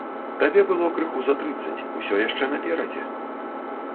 Табе было крыху за трыццаць, усё яшчэ наперадзе!